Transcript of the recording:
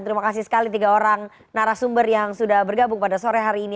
terima kasih sekali tiga orang narasumber yang sudah bergabung pada sore hari ini